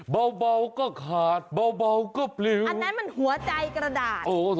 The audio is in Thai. เบาก็ขาดเบาก็ปลิวอันนั้นมันหัวใจกระดาษ